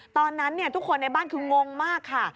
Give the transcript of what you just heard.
ตอนนั้นทุกคนในบ้านคืองงมากค่ะ